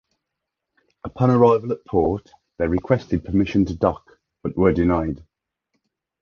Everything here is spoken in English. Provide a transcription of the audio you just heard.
Upon arrival at port, they requested permission to dock, but were denied.